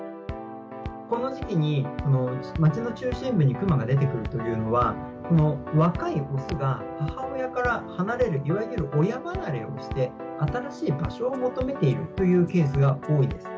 この時期に、街の中心部にクマが出てくるというのは、若い雄が母親から離れる、いわゆる親離れをして、新しい場所を求めているというケースが多いです。